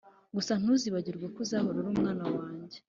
gusa ntuzibagirwe ko uzahora uri umwana wanjye